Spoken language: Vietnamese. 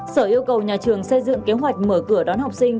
sở yêu cầu nhà trường xây dựng kế hoạch mở cửa đón học sinh